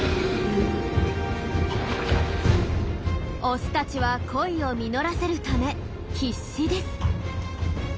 オスたちは恋を実らせるため必死です。